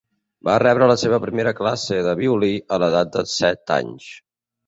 Va rebre la seva primera classe de violí a l'edat de set anys.